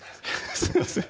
すいません